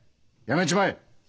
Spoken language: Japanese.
やめちまえ！